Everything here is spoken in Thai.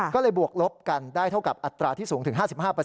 ก็เลยบวกลบกันได้เท่ากับอัตราที่สูงถึง๕๕